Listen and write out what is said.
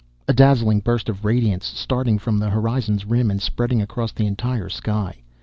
A dazzling burst of radiance, starting from the horizon's rim and spreading across the entire sky.